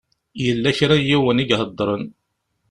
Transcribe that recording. Yella kra n yiwen i iheddṛen.